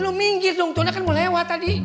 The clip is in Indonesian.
lo minggir dong tuannya kan mau lewat tadi